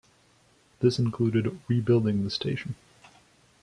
This included rebuilding the station.